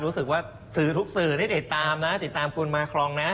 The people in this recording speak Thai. รู้สึกว่าสื่อทุกสื่อนี่ติดตามนะติดตามคุณมาครองนะ